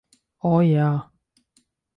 O, jā.